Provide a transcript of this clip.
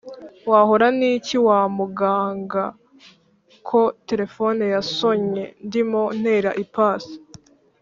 wahora n'iki wa muganga ko telefone yasonnye ndimo ntera ipasi